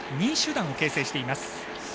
２位集団を形成しています。